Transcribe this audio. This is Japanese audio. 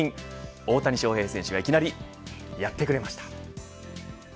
大谷翔平選手がいきなりやってくれました。